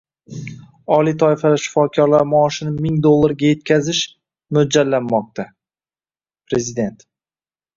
Oliy toifali shifokorlar maoshini ming dollarga yetkazish mo‘ljallanmoqda – Prezidentng